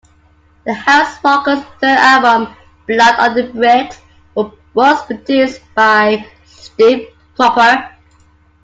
The Houserockers' third album, "Blood on the Bricks", was produced by Steve Cropper.